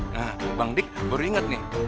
nah bang dik baru inget nih